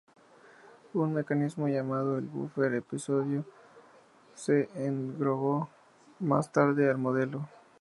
Un mecanismo llamado el búfer episódico se agregó más tarde al modelo.